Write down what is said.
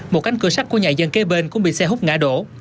một cánh cửa sắt của nhà dân kế bên cũng bị xe hút ngã đổ